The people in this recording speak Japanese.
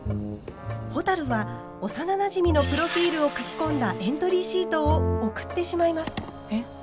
ほたるは幼なじみのプロフィールを書き込んだエントリーシートを送ってしまいます。